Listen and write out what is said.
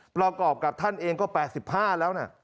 ประกอบกับท่านเองก็๘๕แล้วนะ